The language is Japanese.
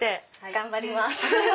頑張ります。